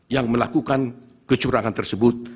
yang melakukan kecurangan tersebut